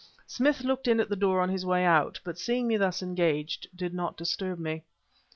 Smith looked in at the door on his way out, but seeing me thus engaged, did not disturb me.